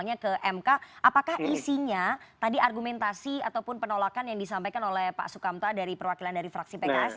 tanya ke mk apakah isinya tadi argumentasi ataupun penolakan yang disampaikan oleh pak sukamta dari perwakilan dari fraksi pks